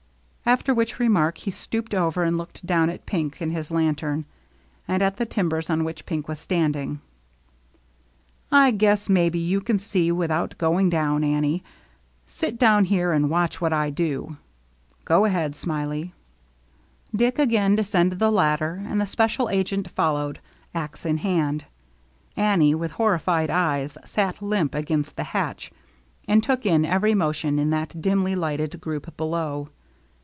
After which remark, he stooped over and looked down at Pink and his lantern, and at the timbers on which Pink was standing. " I guess maybe you can see without going down, Annie. Sit down here, and watch what I do. Go ahead. Smiley." Dick again descended the ladder, and the special agent followed, axe in hand. Annie, with horrified eyes, sat limp against the hatch and took in every motion in that dimly lighted group below.